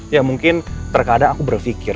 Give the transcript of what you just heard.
ya mungkin terkadang aku berpikir